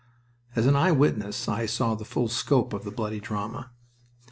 As an eye witness I saw the full scope of the bloody drama.